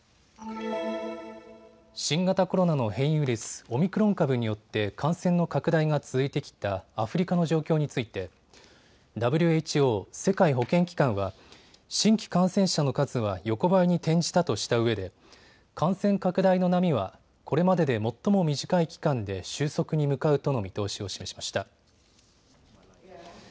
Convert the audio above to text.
新型コロナの変異ウイルス、オミクロン株によって感染の拡大が続いてきたアフリカの状況についてＷＨＯ・世界保健機関は新規感染者の数は横ばいに転じたとしたうえで感染拡大の波はこれまでで最も短い期間で収束に向かうとの見通しを示しました。